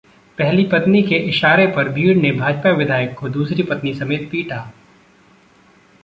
पहली पत्नी के इशारे पर भीड़ ने भाजपा विधायक को 'दूसरी पत्नी' समेत पीटा